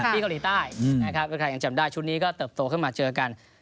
ที่เกาหลีใต้นะครับใครยังจำได้ชุดนี้ก็เติบโตขึ้นมาเจอกัน